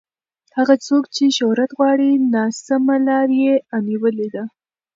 هغه څوک چې شهرت غواړي ناسمه لار یې نیولې ده.